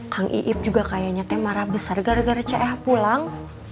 kang iip juga kayaknya marah besar gara gara ch pulang